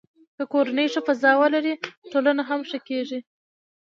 که کورنۍ ښه فضا ولري، ټولنه هم ښه کېږي.